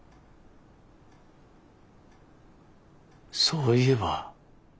そういえば。